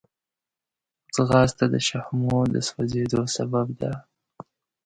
ځغاسته د شحمو د سوځېدو سبب ده